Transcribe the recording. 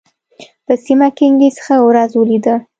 په سیمه کې انګلیس ښه ورځ ولېده.